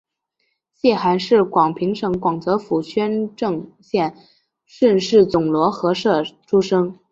谢涵是广平省广泽府宣政县顺示总罗河社出生。